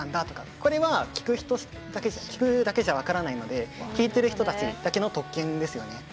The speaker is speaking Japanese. これは聴くだけじゃ分からないので弾いてる人たちだけの特権ですよね。